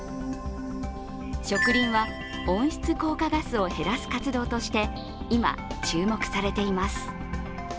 植林は温室効果ガスを減らす活動として、今、注目されています。